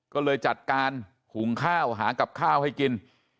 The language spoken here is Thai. ก็เลยจัดการหุงข้าวหากับข้าวให้กิน